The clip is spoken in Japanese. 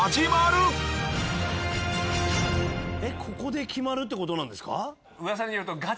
ここで決まるってことですか？